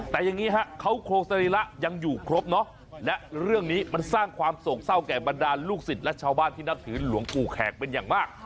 แต่อย่างนี้ฮะเขาโครงสรีระยังอยู่ครบเนอะและเรื่องนี้มันสร้างความโศกเศร้าแก่บรรดาลูกศิษย์และชาวบ้านที่นับถือหลวงปู่แขกเป็นอย่างมาก